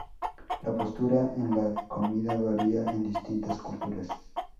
La postura en la comida varía en distintas culturas.